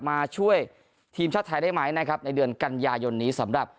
มาช่วยทีมชาติไทยได้ไหมนะครับในเดือนกันยายนนี้สำหรับ